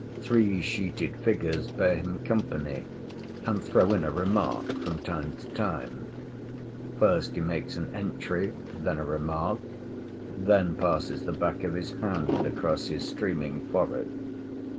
Three sheeted figures bear him company, and throw in a remark from time to time. First he makes an entry, then a remark; then passes the back of his hand across his streaming forehead.